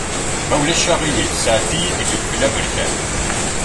Ma ulac aɣilif sɛeddi-yi-d ifelfel aberkan.